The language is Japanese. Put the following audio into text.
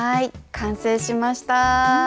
完成しました。